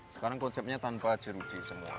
sekarang konsepnya tanpa jeruji semua